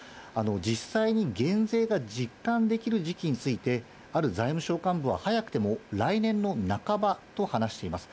実際に減税が実感できる時期について、ある財務省幹部は、早くても来年の半ばと話しています。